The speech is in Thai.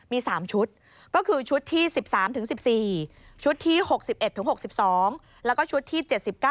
มี๓ชุดก็คือชุดที่๑๓๑๔ชุดที่๖๑๖๒แล้วก็ชุดที่๗๙